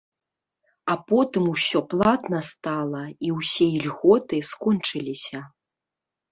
А потым ўсё платна стала, і ўсе ільготы скончыліся.